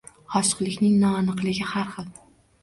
Ochiqlikning noaniqligi Har xil